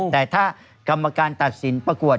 แต่ถ้ากรรมการตัดสินประกวด